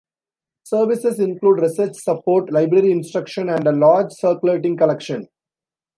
Services include research support, library instruction and a large circulating collection.